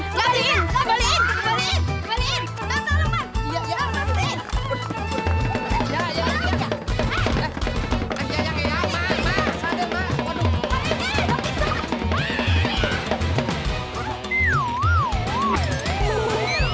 gak bisa kembaliin kembaliin